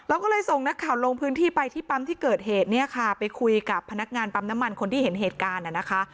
ก็เลยส่งนักข่าวลงพื้นที่ไปที่ปั๊มที่เกิดเหตุเนี่ยค่ะไปคุยกับพนักงานปั๊มน้ำมันคนที่เห็นเหตุการณ์นะคะ